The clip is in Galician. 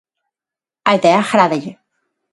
A idea agrádalle.